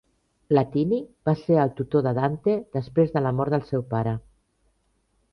Latini va ser el tutor de Dante després de la mort del seu pare.